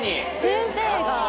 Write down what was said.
先生が。